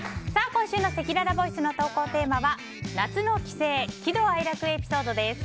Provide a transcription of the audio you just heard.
今週のせきららボイスの投稿テーマは夏の帰省喜怒哀楽エピソードです。